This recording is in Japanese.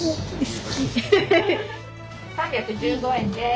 ３１５円です。